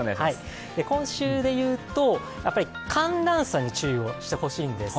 今週で言うと、寒暖差に注意をしてほしいんです。